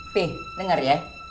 peh denger ya